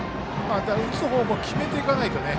打つ方向を決めていかないとね。